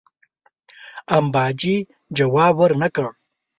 امباجي جواب ورنه کړ.